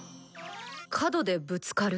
角でぶつかる？